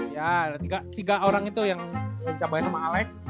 ya tiga orang itu yang dicabain sama alec